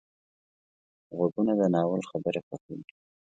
غوږونه د ناول خبرې خوښوي